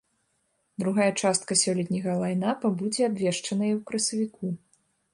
Другая частка сёлетняга лайн-апа будзе абвешчаная ў красавіку.